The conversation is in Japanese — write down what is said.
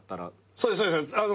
そうですそうです。